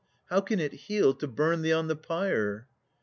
How can it heal to burn thee on the pyre?